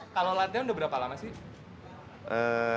kalau latihan udah berapa lama sih